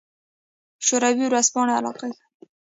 شوروي ورځپاڼې علاقه ښيي.